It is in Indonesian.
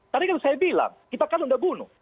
tadi kan saya bilang kita kan sudah bunuh